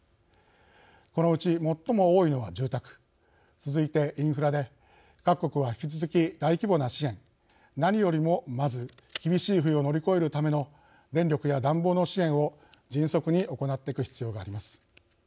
このうち最も多いのは住宅続いてインフラで各国は引き続き大規模な支援何よりもまず厳しい冬を乗り越えるための電力や暖房の支援を迅速に行っていく必要があります。